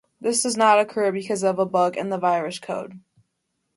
This does not occur because of a bug in the virus code.